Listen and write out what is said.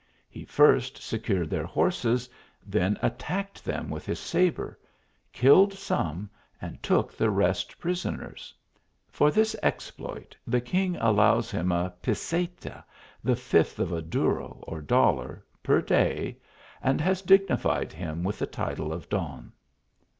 He first secured their horses, then attacked them with his saure; killed some, and took the rest prisoner* For this exploit, the king allows him a peceta, (the fifth of a duro, or dollar,) per day, and has dignified him with the title of Don.